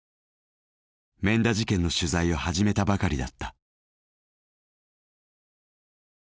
免田事件の取材を始めたばかりだった。